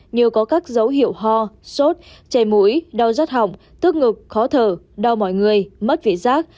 như có các dấu hiệu ho sốt chảy mũi đau rắt hỏng tức ngực khó thở đau mọi người mất vị giác